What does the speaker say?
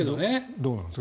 どうなんですか？